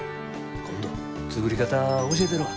今度作り方教えたるわ。